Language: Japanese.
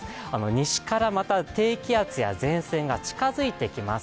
西から、また低気圧や前線が近づいてきます。